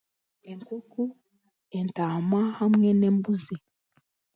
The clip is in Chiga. Enkoko, entaama hamwe n'embuzi.